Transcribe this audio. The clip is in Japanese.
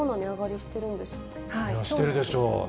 してるでしょうね。